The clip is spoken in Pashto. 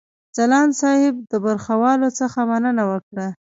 ځلاند صاحب د برخوالو څخه مننه وکړه.